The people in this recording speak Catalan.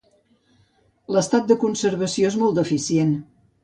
L'estat de conservació és molt deficient.